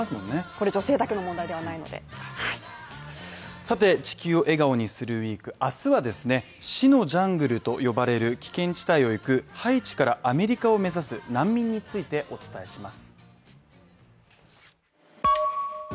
さて、「地球を笑顔にするＷＥＥＫ」明日はですね、死のジャングルと呼ばれる危険地帯を行くハイチからアメリカを目指す難民についてお伝えします。